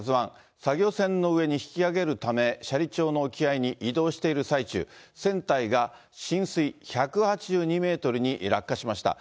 作業船の上に引き揚げるため、斜里町の沖合に移動している最中、船体が水深１８２メートルに落下しました。